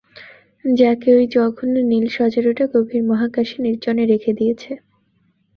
যাকে ওই জঘন্য নীল শজারুটা গভীর মহাকাশে নির্জনে রেখে দিয়েছে।